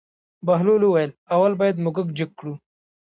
بهلول وویل: اول باید موږک جګ کړو.